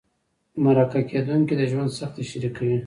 مرکه کېدونکي د ژوند سختۍ شریکوي.